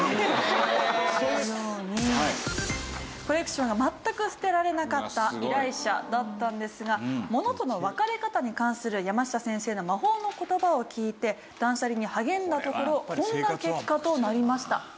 コレクションが全く捨てられなかった依頼者だったんですがものとの別れ方に関するやました先生の魔法の言葉を聞いて断捨離に励んだところこんな結果となりました。